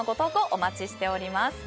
お待ちしております。